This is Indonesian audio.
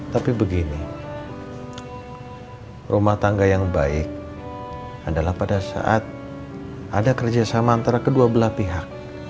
tapi begini rumah tangga yang baik adalah pada saat ada kerjasama antara kedua belah pihak